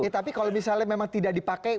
tapi kalau misalnya memang tidak dipakai